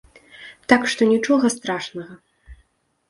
Так што нічога страшнага!